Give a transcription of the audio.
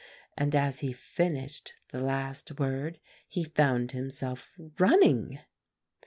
And as he finished the last word, he found himself running.